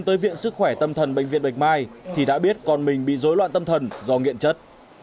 tới viện sức khỏe tâm thần bệnh viện bạch mai thì đã biết con mình bị dối loạn tâm thần do nghiện chất